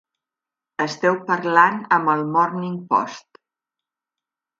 Esteu parlant amb el Morning Post.